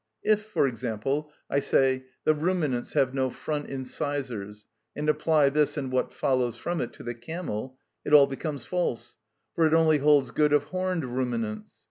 If, for example, I say, "The ruminants have no front incisors," and apply this and what follows from it to the camel, it all becomes false, for it only holds good of horned ruminants.